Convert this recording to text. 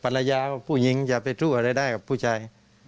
ว่าผู้หญิงอย่าไปสู้อะไรได้กับผู้ชาย